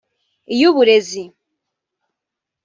iy’uburezi